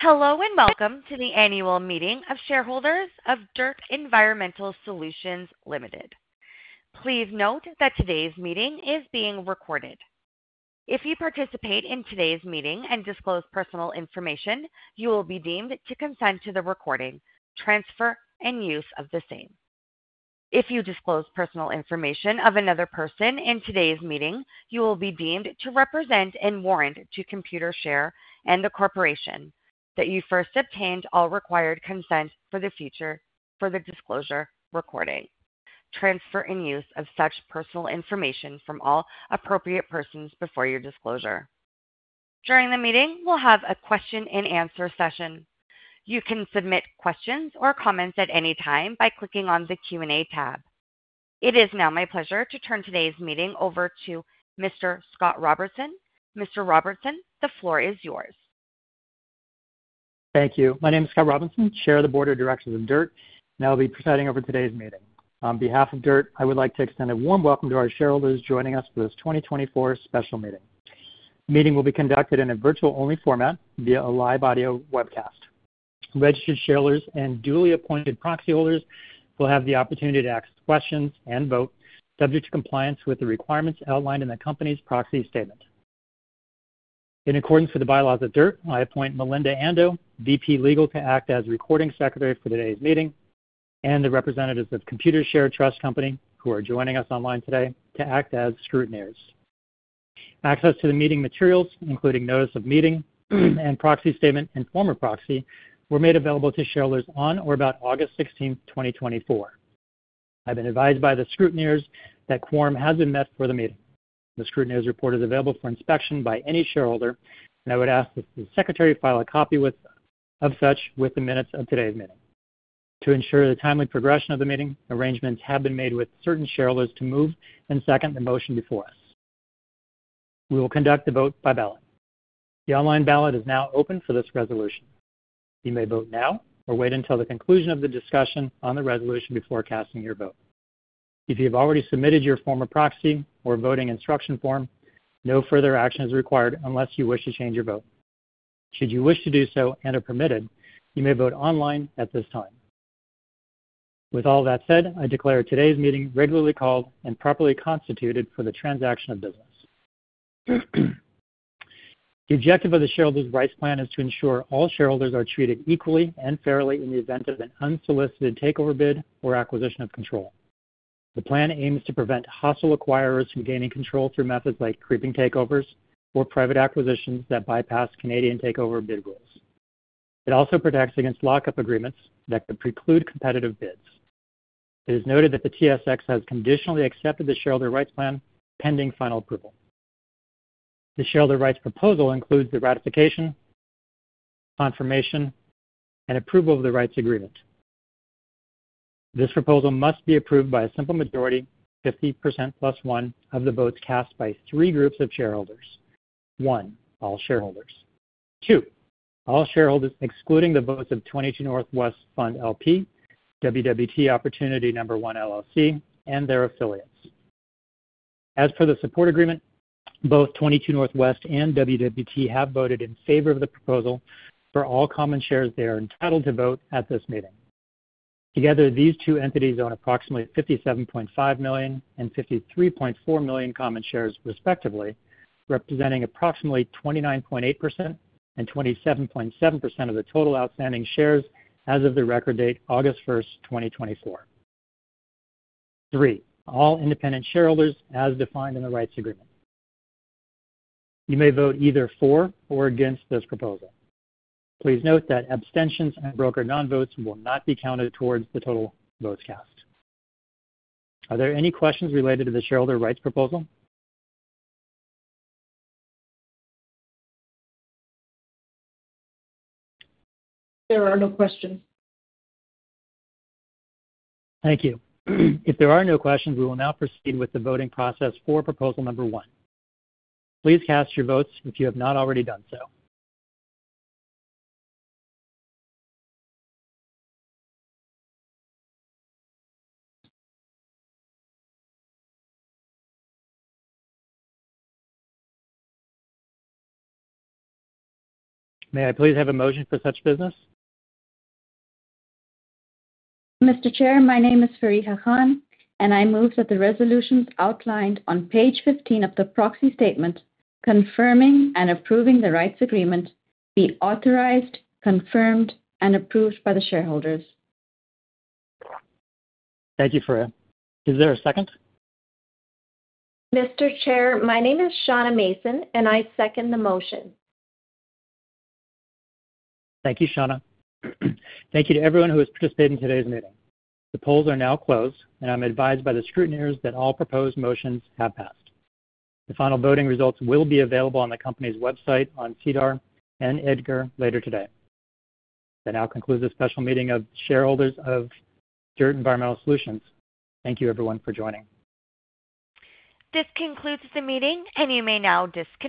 Hello, and welcome to the annual meeting of shareholders of DIRTT Environmental Solutions Ltd. Please note that today's meeting is being recorded. If you participate in today's meeting and disclose personal information, you will be deemed to consent to the recording, transfer, and use of the same. If you disclose personal information of another person in today's meeting, you will be deemed to represent and warrant to Computershare and the corporation that you first obtained all required consent for the disclosure, recording, transfer, and use of such personal information from all appropriate persons before your disclosure. During the meeting, we'll have a question and answer session. You can submit questions or comments at any time by clicking on the Q&A tab. It is now my pleasure to turn today's meeting over to Mr. Scott Robinson. Mr. Robinson, the floor is yours. Thank you. My name is Scott Robinson, Chair of the Board of Directors of DIRTT, and I will be presiding over today's meeting. On behalf of DIRTT, I would like to extend a warm welcome to our shareholders joining us for this 2024 special meeting. The meeting will be conducted in a virtual-only format via a live audio webcast. Registered shareholders and duly appointed proxy holders will have the opportunity to ask questions and vote, subject to compliance with the requirements outlined in the company's proxy statement. In accordance with the bylaws of DIRTT, I appoint Melinda Ando, VP Legal, to act as Recording Secretary for today's meeting, and the representatives of Computershare Trust Company, who are joining us online today, to act as scrutineers. Access to the meeting materials, including notice of meeting and proxy statement and form of proxy, were made available to shareholders on or about August 16th, 2024. I've been advised by the scrutineers that quorum has been met for the meeting. The scrutineers report is available for inspection by any shareholder, and I would ask that the Secretary file a copy of such with the minutes of today's meeting. To ensure the timely progression of the meeting, arrangements have been made with certain shareholders to move and second the motion before us. We will conduct the vote by ballot. The online ballot is now open for this resolution. You may vote now or wait until the conclusion of the discussion on the resolution before casting your vote. If you have already submitted your form of proxy or voting instruction form, no further action is required unless you wish to change your vote. Should you wish to do so, and are permitted, you may vote online at this time. With all that said, I declare today's meeting regularly called and properly constituted for the transaction of business. The objective of the Shareholder Rights Plan is to ensure all shareholders are treated equally and fairly in the event of an unsolicited takeover bid or acquisition of control. The plan aims to prevent hostile acquirers from gaining control through methods like creeping takeovers or private acquisitions that bypass Canadian takeover bid rules. It also protects against lock-up agreements that could preclude competitive bids. It is noted that the TSX has conditionally accepted the shareholder rights plan, pending final approval. The shareholder rights proposal includes the ratification, confirmation, and approval of the rights agreement. This proposal must be approved by a simple majority, 50% plus one of the votes cast by three groups of shareholders. One, all shareholders. Two, all shareholders, excluding the votes of 22 North West Fund, LP, WWT Opportunity #1, LLC, and their affiliates. As for the support agreement, both Twenty Two North West and WWT have voted in favor of the proposal for all common shares they are entitled to vote at this meeting. Together, these two entities own approximately 57.5 million and 53.4 million common shares, respectively, representing approximately 29.8% and 27.7% of the total outstanding shares as of the record date, August 1st, 2024. Three, all independent shareholders, as defined in the rights agreement. You may vote either for or against this proposal. Please note that abstentions and broker non-votes will not be counted towards the total votes cast. Are there any questions related to the shareholder rights proposal? There are no questions. Thank you. If there are no questions, we will now proceed with the voting process for proposal number one. Please cast your votes if you have not already done so. May I please have a motion for such business? Mr. Chair, my name is Fariha Khan, and I move that the resolutions outlined on page 15 of the proxy statement, confirming and approving the rights agreement, be authorized, confirmed, and approved by the shareholders. Thank you, Fariha. Is there a second? Mr. Chair, my name is Shauna Mason, and I second the motion. Thank you, Shauna. Thank you to everyone who has participated in today's meeting. The polls are now closed, and I'm advised by the scrutineers that all proposed motions have passed. The final voting results will be available on the company's website on SEDAR and EDGAR later today. That now concludes this special meeting of shareholders of DIRTT Environmental Solutions. Thank you, everyone, for joining. This concludes the meeting, and you may now disconnect.